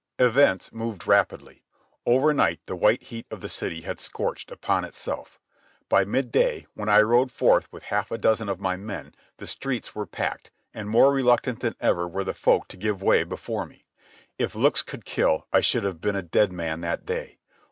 Events moved rapidly. Over night the white heat of the city had scorched upon itself. By midday, when I rode forth with half a dozen of my men, the streets were packed, and more reluctant than ever were the folk to give way before me. If looks could kill I should have been a dead man that day.